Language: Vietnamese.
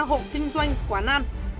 hộ kinh doanh quán ăn